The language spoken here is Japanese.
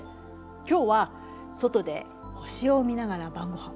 今日は外で星を見ながら晩ごはん。